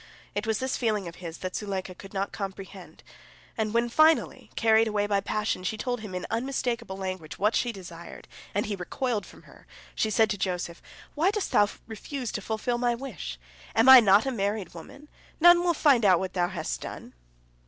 It was this feeling of his that Zuleika could not comprehend, and when, finally, carried away by passion, she told him in unmistakable language what she desired, and he recoiled from her, she said to Joseph: "Why dost thou refuse to fulfil my wish? Am I not a married woman? None will find out what thou hast done."